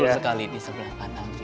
betul sekali di sebelah kanan